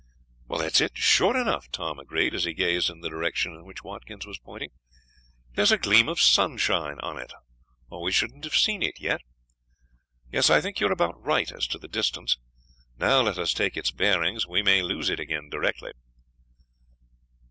"That's it, sure enough," Tom agreed, as he gazed in the direction in which Watkins was pointing. "There's a gleam of sunshine on it, or we shouldn't have seen it yet. Yes, I think you are about right as to the distance. Now let us take its bearings, we may lose it again directly."